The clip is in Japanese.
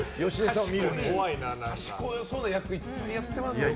かしこそうな役いっぱいやってますもんね。